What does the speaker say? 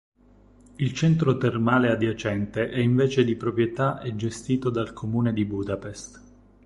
Il centro termale adiacente è invece di proprietà e gestito dal Comune di Budapest.